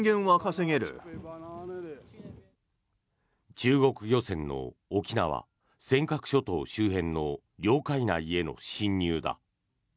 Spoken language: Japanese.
中国漁船の沖縄、尖閣諸島周辺の領海内への侵入だ。